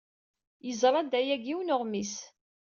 Yeẓra-d aya deg yiwen n uɣmis.